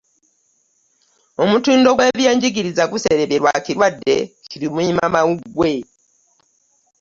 Omutindo gw'ebyenjigiriza guserebye lwa kirwadde ki lumiimamawuggwe.